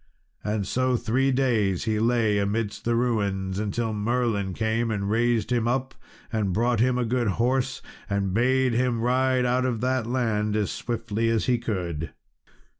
And so three days he lay amidst the ruins, until Merlin came and raised him up and brought him a good horse, and bade him ride out of that land as swiftly as he could.